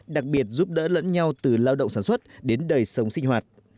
đặc biệt giúp đỡ lẫn nhau từ lao động sản xuất đến đời sống sinh hoạt